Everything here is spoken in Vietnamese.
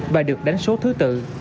và được đánh số thứ tự